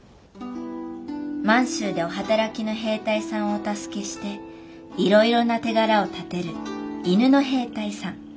満州でお働きの兵隊さんをお助けしていろいろな手柄を立てる犬の兵隊さん。